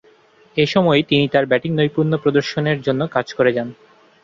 এ সময়েই তিনি তার ব্যাটিং নৈপুণ্য প্রদর্শনের জন্য কাজ করে যান।